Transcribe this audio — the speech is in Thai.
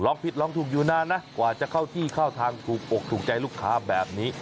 ผิดลองถูกอยู่นานนะกว่าจะเข้าที่เข้าทางถูกอกถูกใจลูกค้าแบบนี้